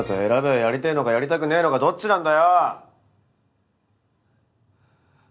やりてぇのかやりたくねぇのかどっちなんだよ！